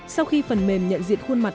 sau khi phần mềm nhận diện khuôn mặt